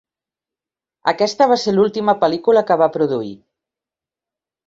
Aquesta va ser l'última pel·lícula que va produir.